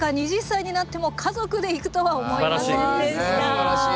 すばらしい。